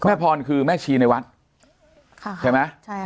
แม่พรคือแม่ชีในวัดใช่ไหม